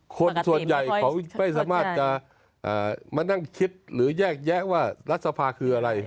คนส่วนใหญ่เขาไม่สามารถจะมานั่งคิดหรือแยกแยะว่ารัฐสภาคืออะไร